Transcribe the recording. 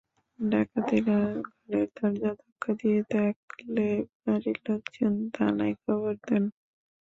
ডাকাতেরা ঘরের দরজা ধাক্কা দিতে থাকলে বাড়ির লোকজন থানায় খবর দেন।